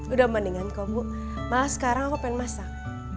udah mandi dengan kau bu malah sekarang aku pengen masak